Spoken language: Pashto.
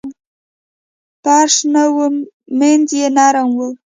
فرش نه و مینځ یې نرم و.